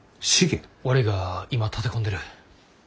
悪いが今立て込んでる。